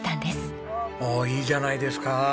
いいじゃないですか。